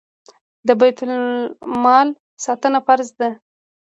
د بیت المال ساتنه فرض ده